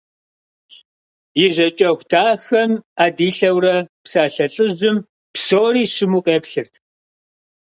И жьакӏэху дахэм ӏэ дилъэурэ псалъэ лӏыжьым псори щыму къеплъырт.